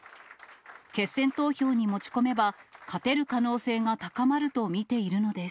決選投票に持ち込めば、勝てる可能性が高まると見ているのです。